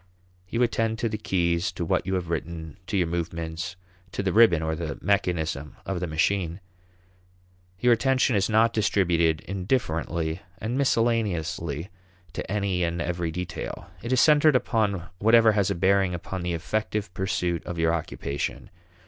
You attend to the keys, to what you have written, to your movements, to the ribbon or the mechanism of the machine. Your attention is not distributed indifferently and miscellaneously to any and every detail. It is centered upon whatever has a bearing upon the effective pursuit of your occupation.